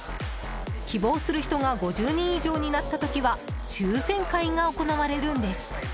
希望する人が５０人以上になった時は抽選会が行われるんです。